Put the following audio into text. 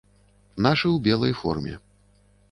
Нашы ў белай форме.